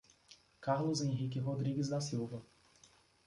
Carlos Henrique Rodrigues da Silva